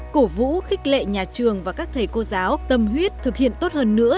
cổ vũ khích lệ nhà trường và các thầy cô giáo tâm huyết thực hiện tốt hơn nữa